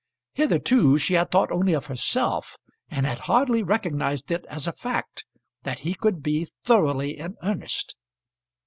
Hitherto she had thought only of herself, and had hardly recognised it as a fact that he could be thoroughly in earnest.